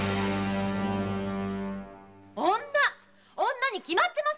・女に決まってますよ！